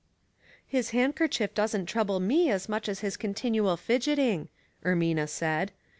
"His handkerchief doesn't trouble me as much as his continual fidgeting," Ermina said.